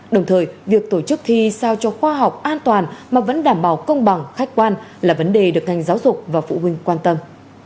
đồng thời việc tổ chức thi sao cho khoa học an toàn mà vẫn đảm bảo công bằng khách quan là vấn đề được ngành giáo dục và phụ huynh quan tâm